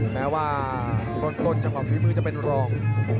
แม้ว่าต้นจากความวิมือจะเป็นรอง